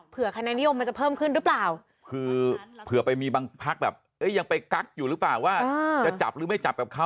คะแนนนิยมมันจะเพิ่มขึ้นหรือเปล่าคือเผื่อไปมีบางพักแบบเอ๊ะยังไปกั๊กอยู่หรือเปล่าว่าจะจับหรือไม่จับกับเขา